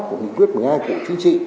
của nghị quyết một mươi hai cụ chính trị